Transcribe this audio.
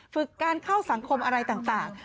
ฝึกการเข้าสังคมอะไรต่าง